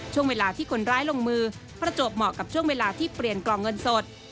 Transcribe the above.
ช่วงเวลาที่คนร้ายลงมือประจวบเหมาะกับช่วงเวลาที่เปลี่ยนกล่องเงินสด